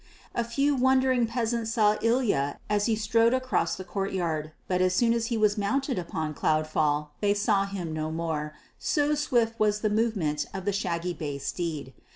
A few wondering peasants saw Ilya as he strode across the courtyard, but as soon as he was mounted upon Cloudfall they saw him no more, so swift was the movement of the shaggy bay steed.